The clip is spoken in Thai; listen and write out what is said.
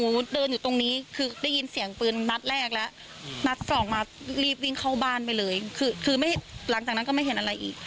ก็กลัวเหมือนกันเพราะว่ามันเป็นปืนอ่ะพี่